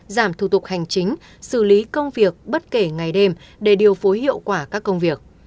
giảm thủ tục hành chính xử lý công việc bất kể ngày đêm để điều phối hiệu quả các công việc